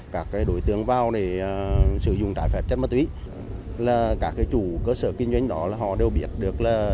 các đối tượng vào để sử dụng trái phép chất ma túy là các chủ cơ sở kinh doanh đó là họ đều biết được là